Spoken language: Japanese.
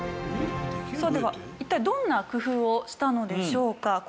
さあでは一体どんな工夫をしたのでしょうか？